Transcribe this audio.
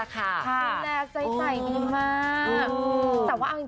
ก็คือพี่มดเนี่ย